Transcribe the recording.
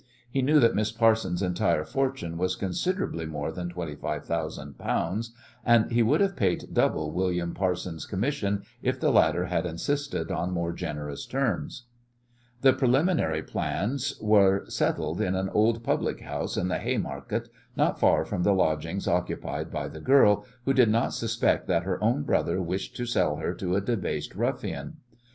He knew that Miss Parsons' entire fortune was considerably more than twenty five thousand pounds, and he would have paid double William Parsons' commission if the latter had insisted on more generous terms. The preliminary plans were settled in an old public house in the Haymarket, not far from the lodgings occupied by the girl, who did not suspect that her own brother wished to sell her to a debased ruffian.